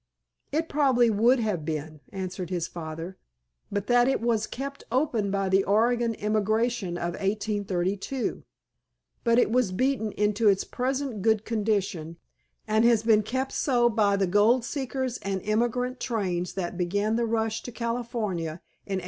"It probably would have been," answered his father, "but that it was kept open by the Oregon emigration of 1832. But it was beaten into its present good condition and has been kept so by the gold seekers and emigrant trains that began the rush to California in 1849.